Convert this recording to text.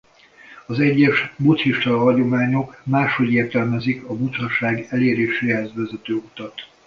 Az egyes buddhista hagyományok máshogy értelmezik a buddhaság eléréséhez vezető utat.